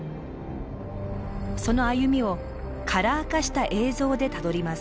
その歩みをカラー化した映像でたどります。